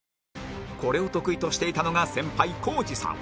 これを得意としていたのが先輩孝児さん